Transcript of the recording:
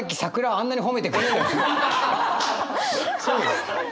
そうですね。